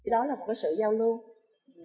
đó là một sự giao lưu